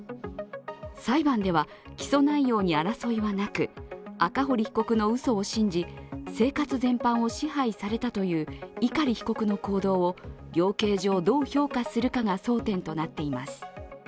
裁判では、起訴内容に争いはなく赤堀被告のうそを信じ生活全般を支配されたという碇被告の行動を量刑上どう評価するかが争点となっています。